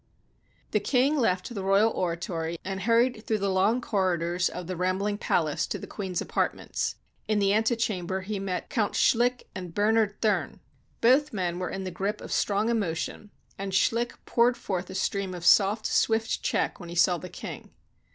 The king left the royal oratory, and hurried through the long corridors of the rambling palace to the queen's apartments. In the antechamber he met Count Schlick and Bernard Thurn. Both men were in the grip of strong emotion, and Schlick poured forth a stream of soft, swift Czech when he saw the king.